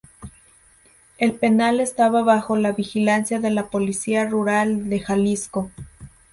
El penal estaba bajo la vigilancia de la Policía Rural de Jalisco.